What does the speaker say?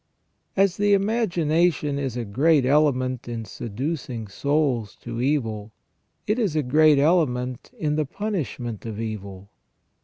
"* As the imagination is a great element in seducing souls to evil, it is a great element in the punishment of evil.